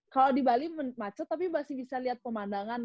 kalau di bali macet tapi masih bisa lihat pemandangan